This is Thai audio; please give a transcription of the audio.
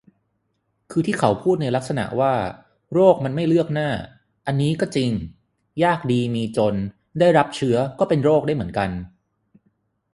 คือที่เขาพูดในลักษณะว่า "โรคมันไม่เลือกหน้า" อันนี้ก็จริง ยากดีมีจน ได้รับเชื้อก็เป็นโรคได้เหมือนกัน